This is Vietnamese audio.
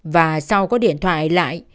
và sau có điện thoại lại